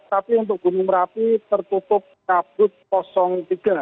tapi untuk gunung merapi tertutup kabut tiga